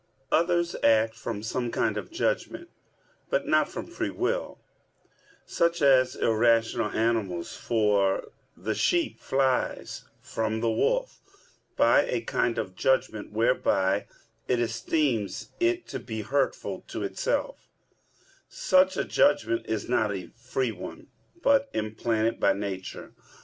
Others act from some kind of judgment; but not from free will, such as irrational animals; for the sheep flies from the wolf by a kind of judgment whereby it esteems it to be hurtful to itself: such a judgment is not a free one, but implanted by nature.